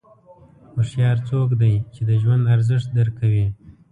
هوښیار څوک دی چې د ژوند ارزښت درک کوي.